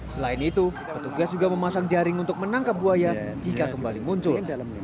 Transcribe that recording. selain itu petugas juga memasang jaring untuk menangkap buaya jika kembali muncul